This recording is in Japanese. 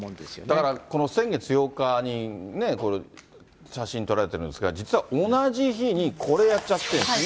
だから、この先月８日にこれ、写真撮られてるんですが、実は同じ日にこれやっちゃってるんですね。